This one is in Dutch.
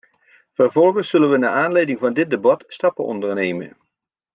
Vervolgens zullen we naar aanleiding van dit debat stappen ondernemen.